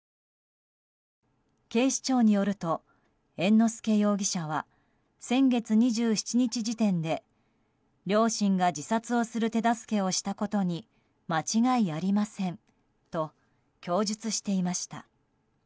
警視庁によると猿之助容疑者は先月２７日時点で両親が自殺をする手助けをしたことに間違いありませんと供述していました。